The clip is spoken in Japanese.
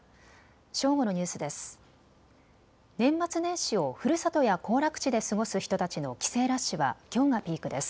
正午のニュースです。